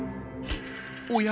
おや？